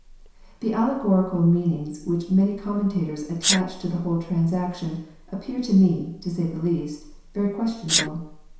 The allegorical meanings which many commentators attach tc the whole transaction, appear to me, to say the least, very ques tionable.